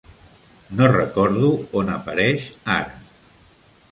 No recordo on apareix ara.